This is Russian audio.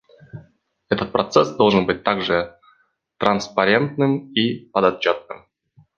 Этот процесс должен быть также транспарентным и подотчетным.